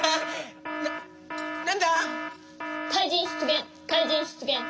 ななんだ？かいじんしゅつげん。かいじんしゅつげん。